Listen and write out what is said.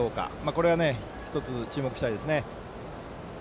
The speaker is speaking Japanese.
これは注目したいですね。